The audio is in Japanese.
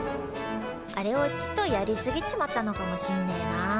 あれをちっとやりすぎちまったのかもしんねえな。